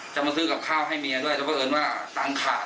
จะมาซื้อกับข้าวให้เมียด้วยแต่เพราะเอิญว่าตังค์ขาด